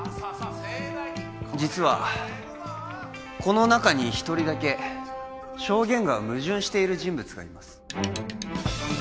盛大に実はこの中に１人だけ証言が矛盾している人物がいます